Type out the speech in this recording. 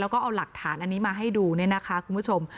แล้วก็เอาหลักฐานอันนี้มาให้ดูเนี่ยนะคะคุณผู้ชม